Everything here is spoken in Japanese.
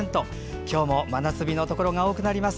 今日も真夏日のところが多くなります。